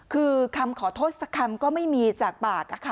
คือคำขอโทษสักคำก็ไม่มีจากปาก